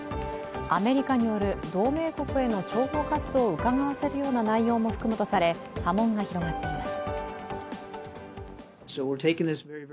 アメリカによる同盟国への諜報活動をうかがわせるような内容も含むとされ、波紋が広がっています。